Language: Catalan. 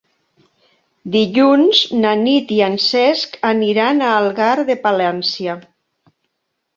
Dilluns na Nit i en Cesc aniran a Algar de Palància.